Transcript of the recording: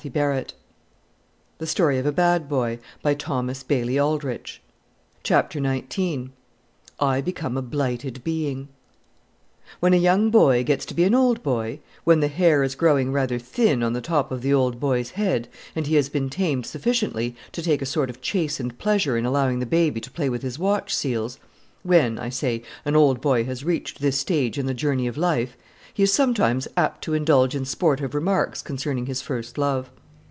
He must be fourteen or fifteen years old by this time the young villain! Chapter Nineteen I Become A Blighted Being When a young boy gets to be an old boy, when the hair is growing rather thin on the top of the old boy's head, and he has been tamed sufficiently to take a sort of chastened pleasure in allowing the baby to play with his watch seals when, I say, an old boy has reached this stage in the journey of life, he is sometimes apt to indulge in sportive remarks concerning his first love.